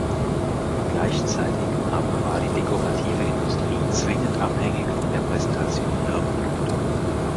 Gleichzeitig aber war die dekorative Industrie zwingend abhängig von der Präsentation ihrer Produkte.